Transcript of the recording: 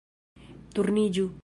- Turniĝu